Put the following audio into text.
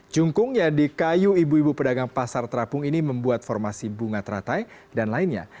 jungkung yang dikayu ibu ibu pedagang pasar terapung ini membuat formasi bunga teratai dan lainnya